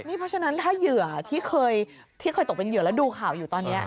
เพราะฉะนั้นถ้าเหยื่อที่เคยตกเป็นเหยื่อแล้วดูข่าวอยู่ตอนนี้